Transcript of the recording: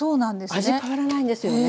味変わらないんですよね